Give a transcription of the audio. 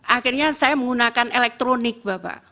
akhirnya saya menggunakan elektronik bapak